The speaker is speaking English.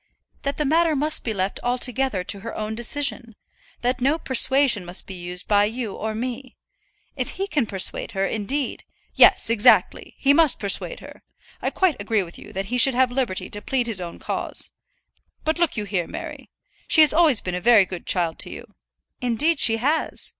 "That the matter must be left altogether to her own decision; that no persuasion must be used by you or me. If he can persuade her, indeed " "Yes, exactly. He must persuade her. I quite agree with you that he should have liberty to plead his own cause. But look you here, Mary; she has always been a very good child to you " "Indeed she has."